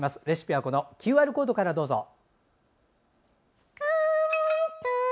レシピはＱＲコードからどうぞ。